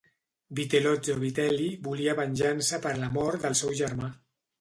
Vitellozzo Vitelli volia venjança per la mort del seu germà.